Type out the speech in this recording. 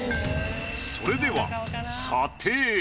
それでは査定。